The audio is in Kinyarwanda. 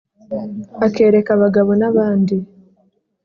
akereka abagabo n'abandi